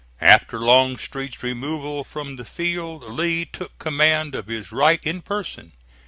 After Longstreet's removal from the field Lee took command of his right in person.